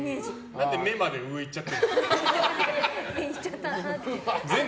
何で目まで上いっちゃってるの。